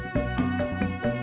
bur cang ijo